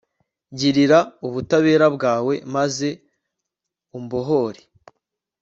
girira ubutabera bwawe, maze umbohore